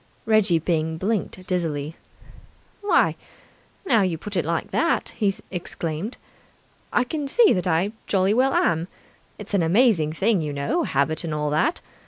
Reggie Byng blinked dizzily. "Why, now you put it like that," he exclaimed, "I can see that I jolly well am! It's an amazing thing, you know, habit and all that.